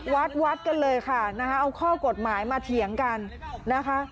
วัดวัดกันเลยค่ะนะคะเอาข้อกฎหมายมาเถียงกันนะคะ